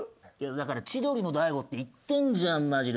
「だから千鳥の大悟って言ってんじゃんマジで」